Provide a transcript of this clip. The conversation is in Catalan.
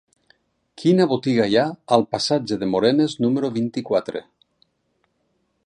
Quina botiga hi ha al passatge de Morenes número vint-i-quatre?